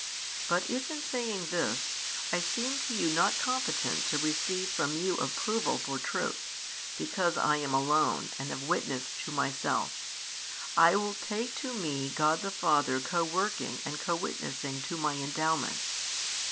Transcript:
But if in saying this, I seem to you not competent |572 to receive from you approval for truth, because I am alone and have witnessed to Myself, I will take to Me God the Father co working and co witnessing to My Endowments.